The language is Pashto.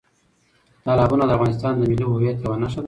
تالابونه د افغانستان د ملي هویت یوه نښه ده.